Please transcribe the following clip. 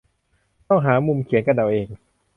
ต้องหามุมเขียนกันเอาเอง